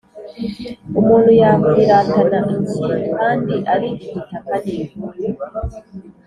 Umuntu yakwiratana iki kandi ari igitaka n’ivu?